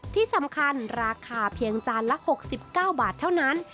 ที่สำคัญราคาเพียงจานละ๖๙บาทเท่านั้น